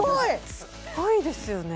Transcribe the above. すごいですよね